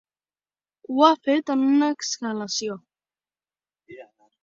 Ho ha fet en una exhalació.